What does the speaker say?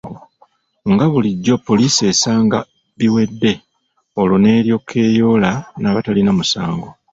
Nga bulijjo poliisi esanga biwedde olwo n’eryoka eyoola n’abatalina musango.